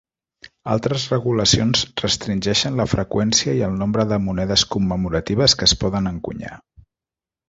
Altres regulacions restringeixen la freqüència i el nombre de monedes commemoratives que es poden encunyar.